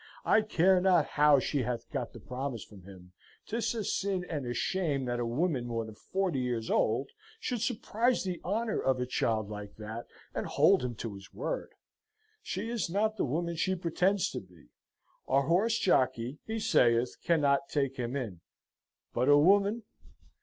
I care not how she hath got the promise from him. 'Tis a sin and a shame that a woman more than forty years old should surprize the honour of a child like that, and hold him to his word. She is not the woman she pretends to be. A horse jockey (he saith) cannot take him in but a woman!